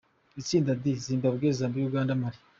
Itsinda D: Zimbabwe, Zambia, Uganda, Mali.